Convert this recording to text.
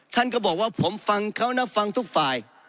ท่านก็บอกว่าผมฟังเขานะฟังทุกฝ่าย